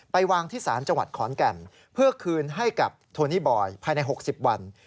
วางที่ศาลจังหวัดขอนแก่นเพื่อคืนให้กับโทนี่บอยภายใน๖๐วัน